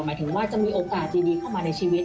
หมายถึงว่าจะมีโอกาสดีเข้ามาในชีวิต